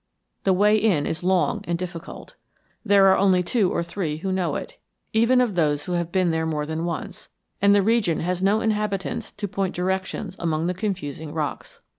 The way in is long and difficult. There are only two or three who know it, even of those who have been there more than once, and the region has no inhabitants to point directions among the confusing rocks.